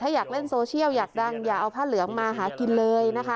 ถ้าอยากเล่นโซเชียลอยากดังอย่าเอาผ้าเหลืองมาหากินเลยนะคะ